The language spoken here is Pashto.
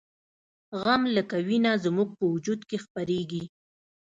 غم لکه وینه زموږ په وجود کې خپریږي